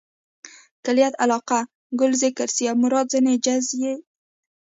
کلیت علاقه؛ کل ذکر سي او مراد ځني جز يي.